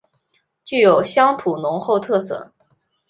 具有乡土浓厚特色